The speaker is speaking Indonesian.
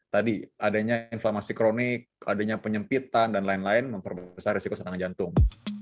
jadi adanya inflamasi kronik adanya penyempitan dan lain lain memperbesar risiko sakit jantung